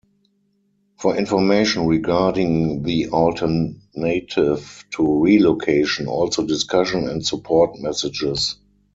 For information regarding the alternative to relocation, also discussion and support messages.